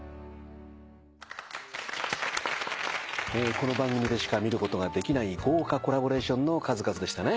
この番組でしか見ることができない豪華コラボレーションの数々でしたね。